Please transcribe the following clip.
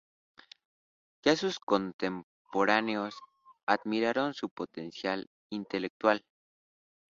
Ya sus contemporáneos admiraron su potencia intelectual.